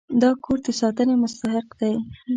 دا کور د ساتنې مستحق دی.